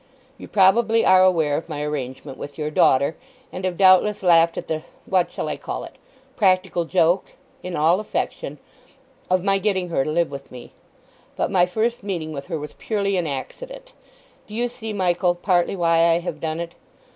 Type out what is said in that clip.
"You probably are aware of my arrangement with your daughter, and have doubtless laughed at the—what shall I call it?—practical joke (in all affection) of my getting her to live with me. But my first meeting with her was purely an accident. Do you see, Michael, partly why I have done it?